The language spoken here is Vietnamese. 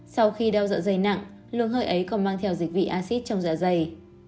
sau khi đau dạ dày nặng luồng hơi ấy còn mang theo dịch vị acid trong dạ dày